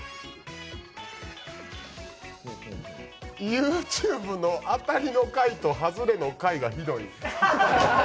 ＹｏｕＴｕｂｅの当たりの回と外れの回がひどい。